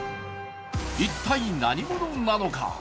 一体、何者なのか？